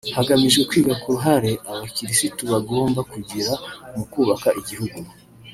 hagamijwe kwiga ku ruhare abakirisitu bagomba kugira mu kubaka igihugu